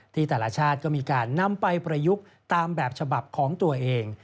แต่ละชาติก็มีการนำไปประยุกต์ตามแบบฉบับของตัวเอง